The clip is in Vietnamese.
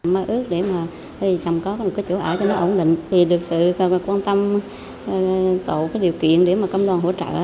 mà ước để mà chồng có một chỗ ở cho nó ổn định thì được sự quan tâm tổ cái điều kiện để mà công đoàn hỗ trợ